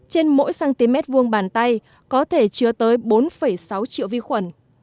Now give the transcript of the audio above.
trên mỗi cm vuông bàn tay có thể chứa tới bốn sáu triệu vi khuẩn